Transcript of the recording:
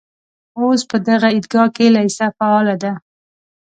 اوس په دغه عیدګاه کې لېسه فعاله ده.